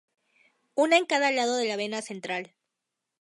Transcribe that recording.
Una en cada lado de la vena central.